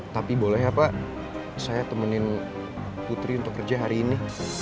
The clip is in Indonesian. tapi boleh ya pak saya temenin putri untuk kerja hari ini